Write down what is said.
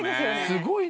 すごいね。